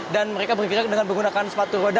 dan mereka berkira dengan menggunakan sepatu roda